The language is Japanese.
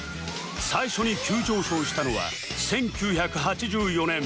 最初に急上昇したのは１９８４年